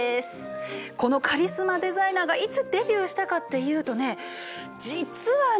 このカリスマデザイナーがいつデビューしたかっていうとね実はね。